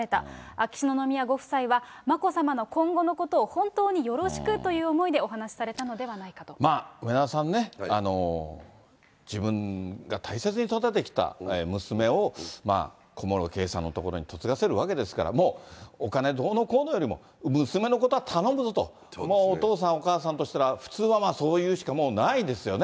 秋篠宮ご夫妻は眞子さまの今後のことを本当によろしくという思いまあ梅沢さんね、自分が大切に育ててきた娘を小室圭さんの所に嫁がせるわけですから、もうお金どうのこうのよりも、娘のことは頼むぞと、お父さん、お母さんとしたら普通はそう言うしかもうないですよね。